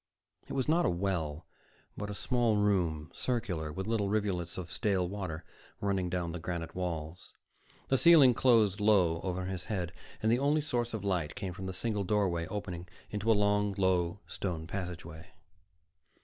It was not a well, but a small room, circular, with little rivulets of stale water running down the granite walls. The ceiling closed low over his head, and the only source of light came from the single doorway opening into a long, low stone passageway.